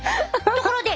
ところで！